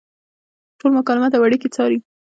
ټول مکالمات او اړیکې څاري.